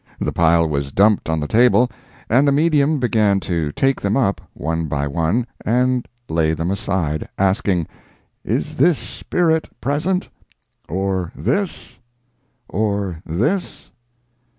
The pile was dumped on the table and the medium began to take them up one by one and lay them aside, asking "Is this spirit present?—or this?—or this?"